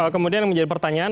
kemudian menjadi pertanyaan